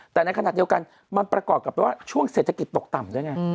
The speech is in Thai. แต่ในขณะเดียวกันมันประกอบกับว่าช่วงเศรษฐกิจตกต่ำด้วยไง